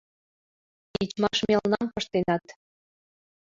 Тичмаш мелнам пыштенат.